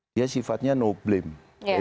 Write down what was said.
dia sifatnya no blame